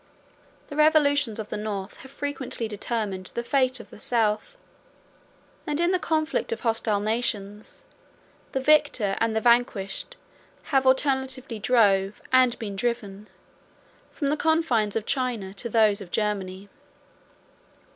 The revolutions of the North have frequently determined the fate of the South; and in the conflict of hostile nations, the victor and the vanquished have alternately drove, and been driven, from the confines of China to those of Germany.